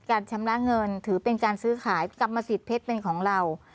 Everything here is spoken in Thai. ชำระเงินถือเป็นการซื้อขายกรรมสิทธิเพชรเป็นของเรา